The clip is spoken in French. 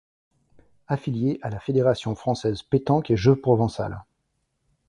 Affiliée à la Fédération française pétanque et jeu provençal.